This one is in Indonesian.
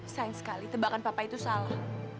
sayang sekali tebakan papa itu salah